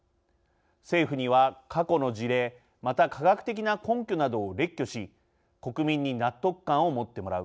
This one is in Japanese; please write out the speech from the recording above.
政府には、過去の事例また、科学的な根拠などを列挙し国民に納得感を持ってもらう。